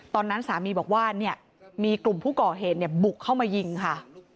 ตอนนั้นสามีบอกว่าเนี่ยมีกลุ่มผู้ก่อเหตุบุกเข้ามายิงค่ะ